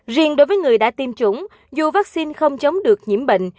riêng đối với người đã tiêm chủng dù vaccine không chống được nhiễm bệnh